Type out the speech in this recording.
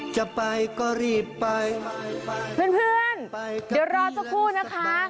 จะไปก็รีบไปเพื่อนเพื่อนเดี๋ยวรอสักครู่นะคะ